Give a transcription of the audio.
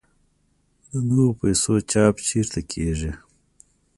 د نویو پیسو چاپ چیرته کیږي؟